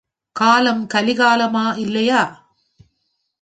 காலம் கலி காலமா இல்லையா?